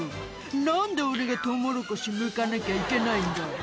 「何で俺がトウモロコシむかなきゃいけないんだよ」